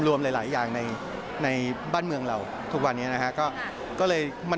รวมหลายอย่างในบ้านเมืองเราทุกวันนี้นะฮะ